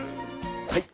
はい！